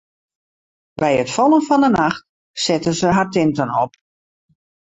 By it fallen fan 'e nacht setten se har tinten op.